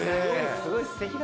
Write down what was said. すごいな！